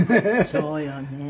「そうよね」